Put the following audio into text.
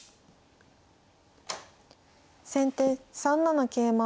先手３七桂馬。